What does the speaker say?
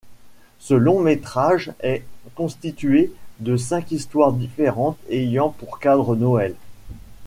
Ce long-métrage est constitué de cinq histoires différentes ayant pour cadre Noël.